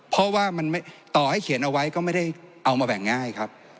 เพราะว่ามันต่อให้เขียนเอาไว้ก็ไม่ได้เอามาแบ่งง่ายครับ